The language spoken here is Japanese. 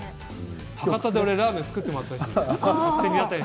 博多で俺ラーメン作ってもらったりしたから。